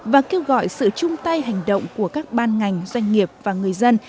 và kêu gọi sự chung tay hành động của các ban ngành doanh nghiệp và người dân